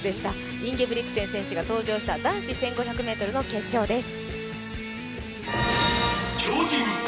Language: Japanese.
インゲブリクセン選手が登場した男子１５００ｍの決勝です。